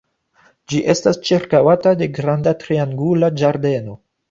Ĝi estas ĉirkaŭata de granda triangula ĝardeno.